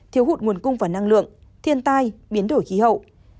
thiếu hụt nguồn cung và năng lượng thiên tai biến đổi khí hậu